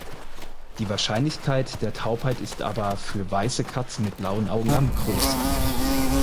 Die Wahrscheinlichkeit der Taubheit ist aber für weiße Katzen mit blauen Augen am größten.